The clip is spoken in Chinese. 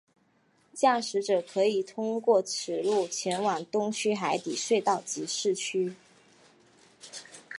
驾驶者可以通过此路前往东区海底隧道及市区。